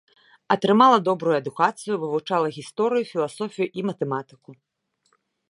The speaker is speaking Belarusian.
Атрымала добрую адукацыю, вывучала гісторыю, філасофію і матэматыку.